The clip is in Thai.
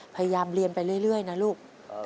พยายามเรียนไปเรื่อยนะลูก